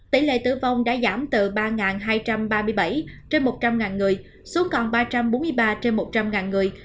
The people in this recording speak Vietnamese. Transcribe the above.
tỷ lệ tử vong đã giảm từ ba hai trăm ba mươi bảy trên một trăm linh người xuống còn ba trăm bốn mươi ba trên một trăm linh người